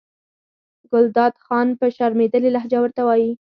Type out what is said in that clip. ګلداد خان په شرمېدلې لهجه ورته وایي.